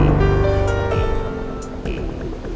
terima kasih bu